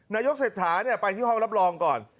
นายกเสร็จถาไหนไปที่ห้องรับรองก่อน